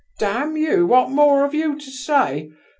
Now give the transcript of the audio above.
Damn you, what more have you to say?